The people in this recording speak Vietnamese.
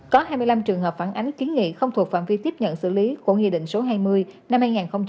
có hai mươi năm trường hợp phản ánh kiến nghị không thuộc phản vi tiếp nhận xử lý của nghị định số hai mươi năm hai nghìn tám